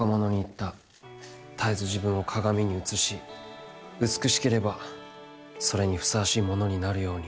「たえず自分を鏡に映し美しければそれにふさわしい者になるように。